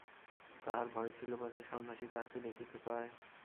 তাহার ভয় ছিল পাছে সন্ন্যাসী তাহাকে দেখিতে পায়।